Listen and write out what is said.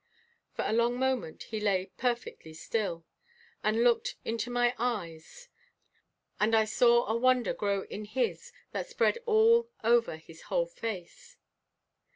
For a long moment he lay perfectly still and looked into my eyes and I saw a wonder grow in his that spread all over his whole face.